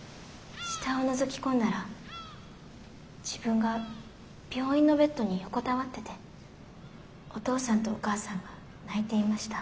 下をのぞき込んだら自分が病院のベッドに横たわっててお父さんとお母さんが泣いていました。